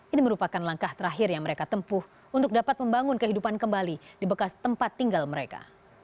ini merupakan langkah terakhir yang mereka tempuh untuk dapat membangun kehidupan kembali di bekas tempat tinggal mereka